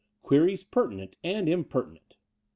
Queries Pertinent and Impertinent